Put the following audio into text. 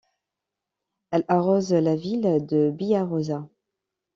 Elle arrose la ville de Biaroza.